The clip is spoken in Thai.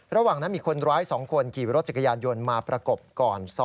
ระหว่างนั้นมีคนร้าย๒คนขี่รถจักรยานยนต์มาประกบก่อน